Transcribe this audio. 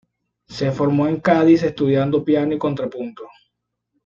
Se formó en Cádiz estudiando piano y contrapunto.